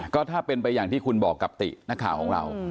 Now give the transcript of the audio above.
ก็ถ้าเป็นไปอย่างที่คุณบอกกับตินักข่าวของเรา